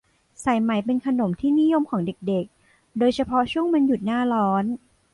สายไหมเป็นขนมที่นิยมของเด็ก ๆ โดยเฉพาะช่วงวันหยุดหน้าร้อน